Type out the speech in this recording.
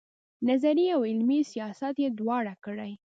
نظري او عملي سیاست یې دواړه کړي.